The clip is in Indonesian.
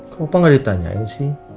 kok opa nggak ditanyain sih